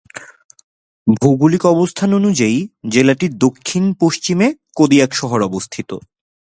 ভৌগলিক অবস্থান অনুযায়ী জেলাটির দক্ষিণ-পশ্চিমে কোদিয়াক শহর অবস্থিত।